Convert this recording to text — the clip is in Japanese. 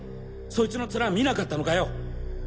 そいつのツラ見なかったのかよ？